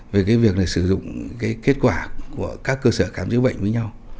về cái việc sử dụng kết quả của các cơ sở cảm giác bệnh với nhau